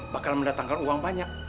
bakal mendatangkan uang banyak